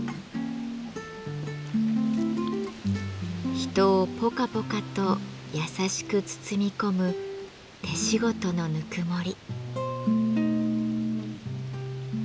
人をぽかぽかと優しく包み込む手仕事のぬくもり。